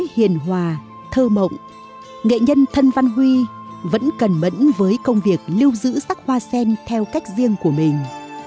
hiền hòa thơ mộng nghệ nhân thân văn huy vẫn cần mẫn với công việc lưu giữ sắc hoa sen theo cách riêng của mình